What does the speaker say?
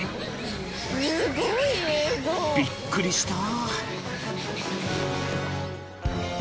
［びっくりした］